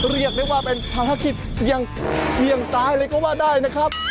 เรียกได้ว่าเป็นภารกิจเสี่ยงตายเลยก็ว่าได้นะครับ